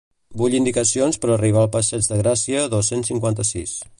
Vull indicacions per arribar al passeig de Gràcia dos-cents cinquanta-sis.